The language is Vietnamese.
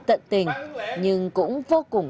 tận tình nhưng cũng vô cùng